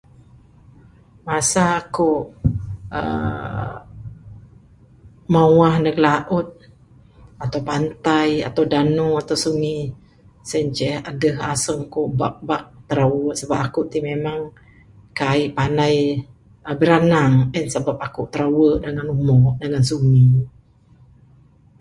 Masa ku aaa mawah neg laut atau pantai atau danu atau sungi sien ceh adeh aseng ku bak bak tirawe, sebab aku ti memang kaik panai aaa biranang, en sebab aku tirawe dengan umok dengan sungi.